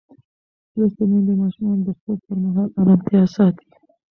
لوستې میندې د ماشومانو د خوب پر مهال ارامتیا ساتي.